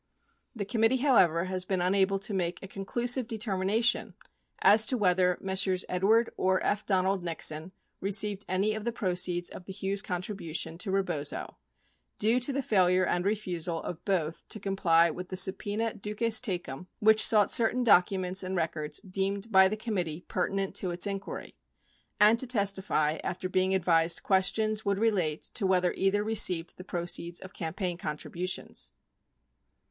The committee, however, has been unable to make a conclusive deter mination as to whether Messrs. Edward or F. Donald Nixon received any of the proceeds of the Hughes contribution to Rebozo due to the failure and refusal of both to comply with the subpena duces tecum which sought certain documents and records deemed by the committee pertinent to its inquiry, and to testify after being advised questions would relate to whether either received the proceeds of campaign contributions.